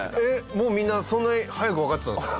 もうみんなそんなに早くわかってたんですか？